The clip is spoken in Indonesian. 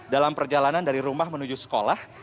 dalam perjalanan dari rumah menuju sekolah